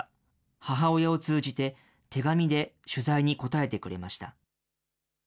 母親を通じて、手紙で取材に応えてくれました。